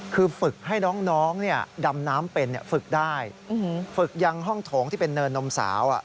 คือฝึกให้น้องดำน้ำเป็นฝึกได้ฝึกยังห้องโถงที่เป็นเนินนมสาว